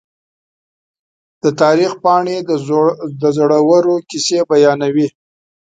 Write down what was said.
د تاریخ پاڼې د زړورو کیسې بیانوي.